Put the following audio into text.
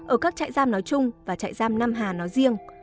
ở các chạy giam nói chung và chạy giam nam hà nói riêng